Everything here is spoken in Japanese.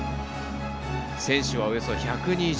選手は、およそ１２０人。